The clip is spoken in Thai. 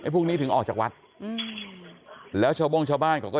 พวกนี้ถึงออกจากวัดอืมแล้วชาวโบ้งชาวบ้านเขาก็